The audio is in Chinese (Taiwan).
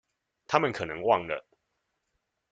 她們可能忘了